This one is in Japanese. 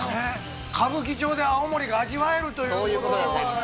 歌舞伎町で青森が味わえるということでございます。